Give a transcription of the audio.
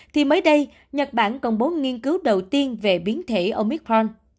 thì mới đây nhật bản công bố nghiên cứu đầu tiên về biến thể omicron